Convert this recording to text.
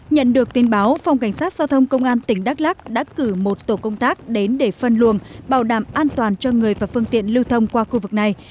nhận được tin báo phòng cảnh sát giao thông công an tỉnh đắk lắc đã cử một tổ công tác đến để phân luồng bảo đảm an toàn cho người và phương tiện lưu thông qua khu vực này